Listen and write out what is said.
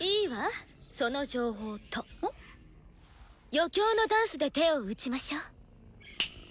余興のダンスで手を打ちましょう。